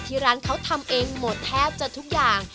ร้านเขาทำเองหมดแทบจะทุกอย่าง